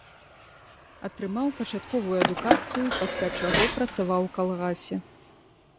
Атрымаў пачатковую адукацыю, пасля чаго працаваў у калгасе.